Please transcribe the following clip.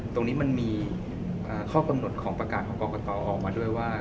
ตรงนี้มันมีข้อกำหนดของประกาศของกรกตออกมาด้วยว่า